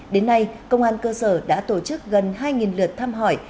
đến nay công an cơ sở đã tổ chức gần hai lượt thăm hỏi